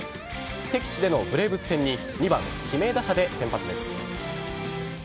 敵地でのブレーブス戦に２番・指名打者で先発です。